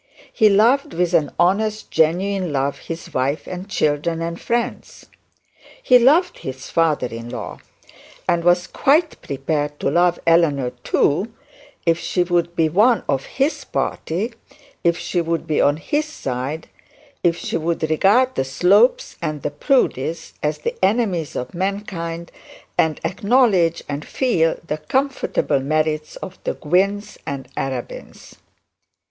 He loved with an honest genuine love his wife and children and friends. He loved his father in law; and he was quite prepared to love Eleanor too, if she would be one of his party, if she would be on his side, if she would regard the Slopes and the Proudies as the enemies of mankind, and acknowledge and feel the comfortable merits of the Gwynnes and Arabins.